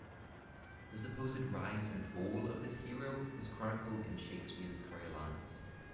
The supposed rise and fall of this hero is chronicled in Shakespeare's "Coriolanus".